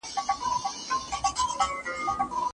عبیدالله جان کندهاری